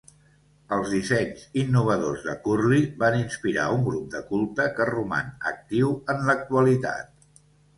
Els dissenys innovadors de Curlee van inspirar un grup de culte que roman actiu en l'actualitat.